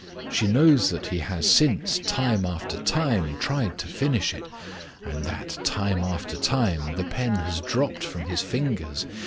She knows that he has since, time after time, tried to finish it, and that, time after time, the pen has dropped from his fingers.